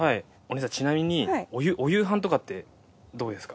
ちなみにお夕飯とかってどうですか？